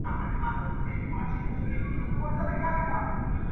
سبا ته به د لمر خاته ننداره کوو.